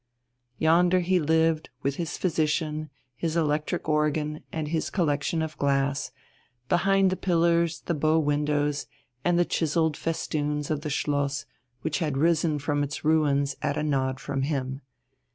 Yonder he lived, with his physician, his electric organ, and his collection of glass, behind the pillars, the bow windows, and the chiselled festoons of the schloss which had risen from its ruins at a nod from him.